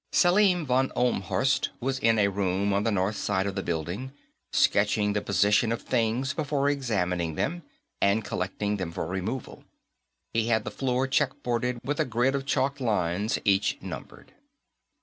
Selim von Ohlmhorst was in a room on the north side of the building, sketching the position of things before examining them and collecting them for removal. He had the floor checkerboarded with a grid of chalked lines, each numbered.